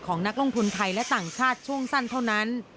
นักลงทุนไทยและต่างชาติช่วงสั้นเท่านั้น